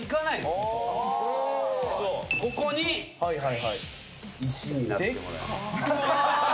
ここに石になってもらいます。